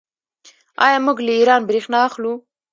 آیا موږ له ایران بریښنا اخلو؟